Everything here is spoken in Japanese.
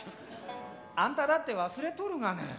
あんただって忘れとるがね！